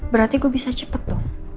berarti gue bisa cepat dong